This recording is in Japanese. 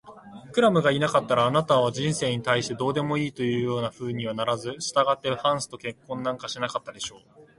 クラムがいなかったら、あなたは人生に対してどうでもいいというようなふうにはならず、したがってハンスと結婚なんかしなかったでしょう。